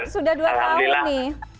sudah dua kali nih